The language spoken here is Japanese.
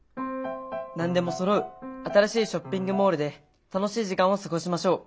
何でもそろう新しいショッピングモールで楽しい時間を過ごしましょう。